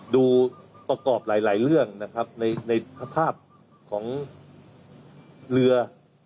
ดูประกอบหลายเรื่องนะครับในสภาพของเรือ